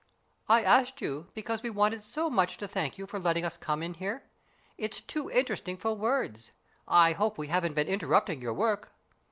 " I asked you because we wanted so much to thank you for letting us come in here. It's too interesting for words. I hope we haven't been interrupting your work